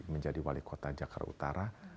menjadi wali kota jakarta utara